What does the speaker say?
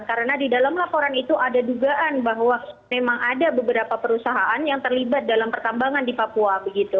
karena di dalam laporan itu ada dugaan bahwa memang ada beberapa perusahaan yang terlibat dalam pertambangan di papua